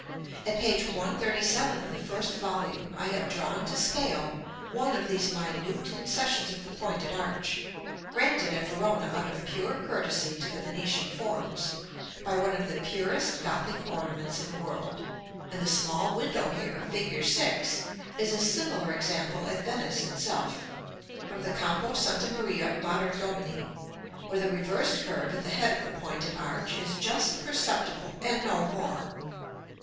At page 137 of the first volume, I have drawn to scale one of these minute concessions of the pointed arch, granted at Verona out of pure courtesy to the Venetian forms, by one of the purest Gothic ornaments in the world; and the small window here, fig. 6, is a similar example at Venice itself, from the Campo Santa Maria Mater Domini, where the reversed curve at the head of the pointed arch is just perceptible and no more.